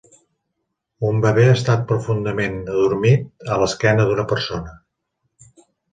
Un bebè està profundament adormit a l'esquena d'una persona.